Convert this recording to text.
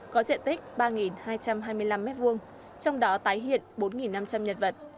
có diện tích ba hai trăm hai mươi năm m hai trong đó tái hiện bốn năm trăm linh nhân vật